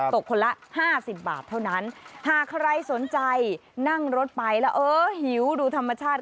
คนละห้าสิบบาทเท่านั้นหากใครสนใจนั่งรถไปแล้วเออหิวดูธรรมชาติ